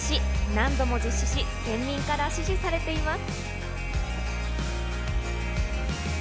何度も実施し、県民から支持されています。